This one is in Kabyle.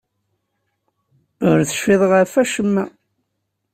Ur tecfiḍ ɣef acemma?